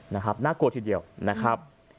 น่ากลัวทีเดียวนะครับ